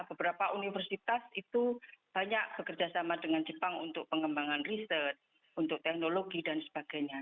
beberapa universitas itu banyak bekerjasama dengan jepang untuk pengembangan riset untuk teknologi dan sebagainya